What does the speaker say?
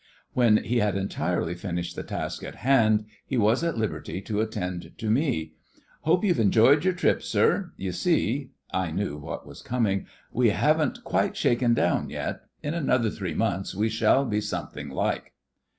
When he had entirely finished the task in hand he was at liberty to attend to me. 'Hope you've enjoyed your trip, sir. You see' (I knew what was coming) 'we haven't quite shaken down yet. In another three months we shall be something like.